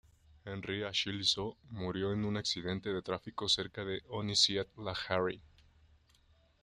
Henri-Achille Zo murió el en un accidente de tráfico cerca de Onesse-et-Laharie.